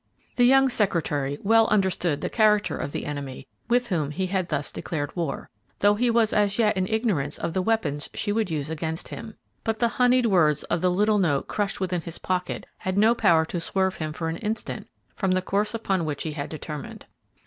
The young secretary well understood the character of the enemy with whom he had thus declared war, though he was as yet in ignorance of the weapons she would use against him, but the honeyed words of the little note crushed within his pocket had no power to swerve him for an instant from the course upon which he had determined.